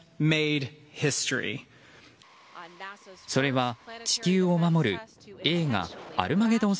それは地球を守る映画「アルマゲドン」